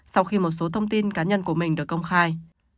sau khi một số thông tin cá nhân của mình được công khai